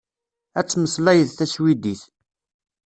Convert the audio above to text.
Ad temmeslayeḍ taswidit.